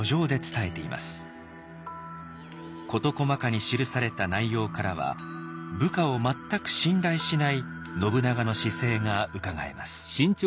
事細かに記された内容からは部下を全く信頼しない信長の姿勢がうかがえます。